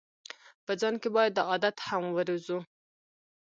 په ځان کې باید دا عادت هم وروزو.